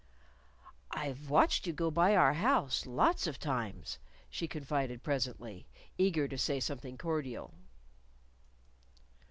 "I've watched you go by our house lots of times," she confided presently, eager to say something cordial.